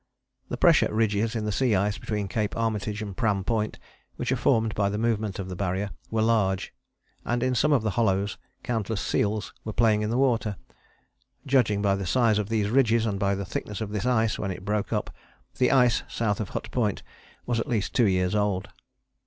The pressure ridges in the sea ice between Cape Armitage and Pram Point, which are formed by the movement of the Barrier, were large, and in some of the hollows countless seals were playing in the water. Judging by the size of these ridges and by the thickness of this ice when it broke up, the ice south of Hut Point was at least two years old.